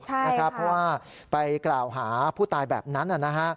เพราะว่าไปกล่าวหาผู้ตายแบบนั้น